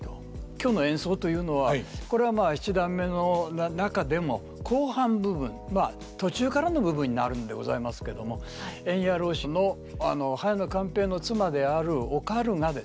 今日の演奏というのはこれはまあ七段目の中でも後半部分まあ途中からの部分になるんでございますけども塩冶浪士の早野勘平の妻であるおかるがですね